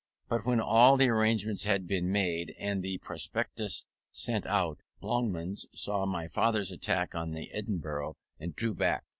But when all the arrangements had been made, and the prospectuses sent out, the Longmans saw my father's attack on the Edinburgh, and drew back.